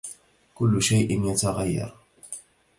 كلّ شيء يتغيّر.